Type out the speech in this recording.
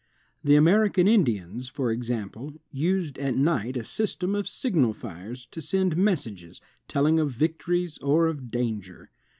The American Indians, for exam ple, used at night a system of signal fires, to send messages telling of victories or of danger.